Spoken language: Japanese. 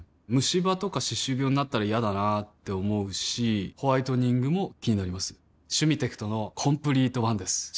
ムシ歯とか歯周病になったら嫌だなって思うしホワイトニングも気になります「シュミテクトのコンプリートワン」です